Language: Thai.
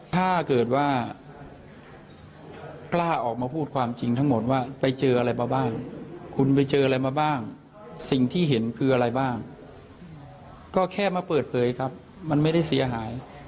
ถ้าเกิดว่ากล้าออกมาพูดความจริงทั้งหมดว่าไปเจออะไรมาบ้างคุณไปเจออะไรมาบ้างสิ่งที่เห็นคืออะไรบ้างก็แค่มาเปิดเผยครับมันไม่ได้เสียหาย